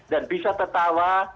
dan bisa tertawa